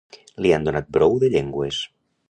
Li han donat brou de llengües.